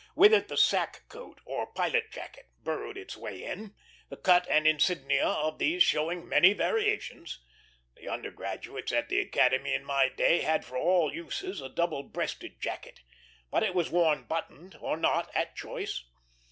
With it the sack coat, or pilot jacket, burrowed its way in, the cut and insignia of these showing many variations. The undergraduates at the Academy in my day had for all uses a double breasted jacket; but it was worn buttoned, or not, at choice.